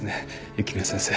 雪宮先生。